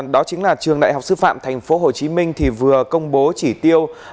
đó chính là trường đại học sư phạm tp hcm vừa công bố chỉ tiêu